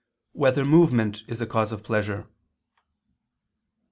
2] Whether Movement Is a Cause of Pleasure?